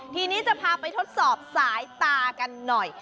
ทีนี้จะพาไปทดสอบสายตากันหน่อย